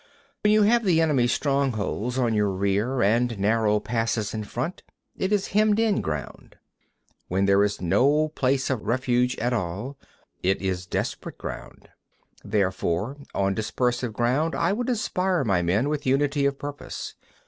45. When you have the enemy's strongholds on your rear, and narrow passes in front, it is hemmed in ground. When there is no place of refuge at all, it is desperate ground. 46. Therefore, on dispersive ground, I would inspire my men with unity of purpose.